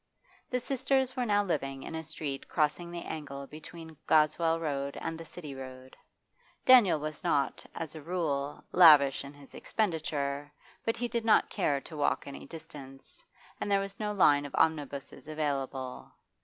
The sisters were now living in a street crossing the angle between Goswell Road and the City Road. Daniel was not, as a rule, lavish in his expenditure, but he did not care to walk any distance, and there was no line of omnibuses available.